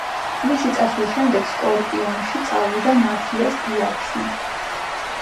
მისი წასვლის შემდეგ სკორპიონსში მოვიდა მათიას იაბსი.